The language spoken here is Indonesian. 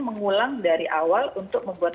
mengulang dari awal untuk membuat